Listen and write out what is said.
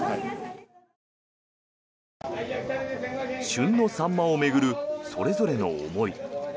旬のサンマを巡るそれぞれの思い。